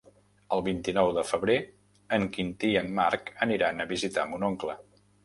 El vint-i-nou de febrer en Quintí i en Marc aniran a visitar mon oncle.